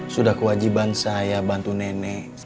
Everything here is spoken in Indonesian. sudah kewajiban saya bantu nenek